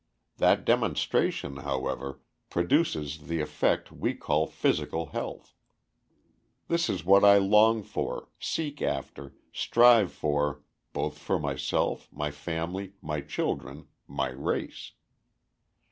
That demonstration, however, produces the effect we call physical health. This is what I long for, seek after, strive for, both for myself, my family, my children, my race.